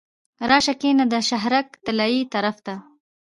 راشه کنه د شهرک طلایې طرف ته.